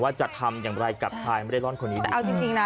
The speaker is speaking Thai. ว่าจะทำอย่างไรกับชายไม่ได้ร่อนคนนี้ได้เอาจริงจริงนะ